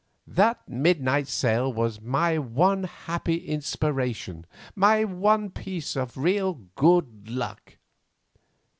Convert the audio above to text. "That midnight sail was my one happy inspiration, my one piece of real good luck."